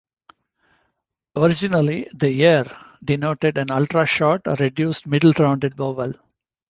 Originally the yer denoted an ultra-short or reduced middle rounded vowel.